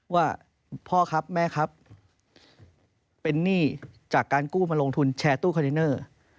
ว่าพ่อครับแม่ครับเป็นหนี้จากการกู้มาลงทุนแชร์ตู้คอนเทนเนอร์